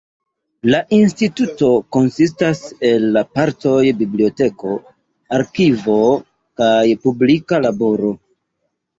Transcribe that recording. La instituto konsistas el la partoj biblioteko, arkivo kaj publika laboro.